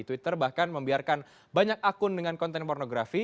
twitter bahkan membiarkan banyak akun dengan konten pornografi